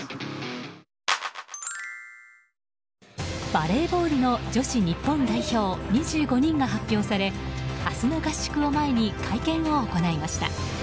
バレーボールの女子日本代表２５人が発表され明日の合宿を前に会見を行いました。